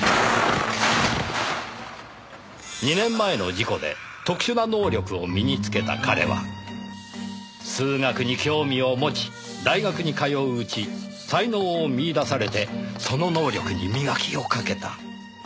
２年前の事故で特殊な能力を身につけた彼は数学に興味を持ち大学に通ううち才能を見いだされてその能力に磨きをかけた。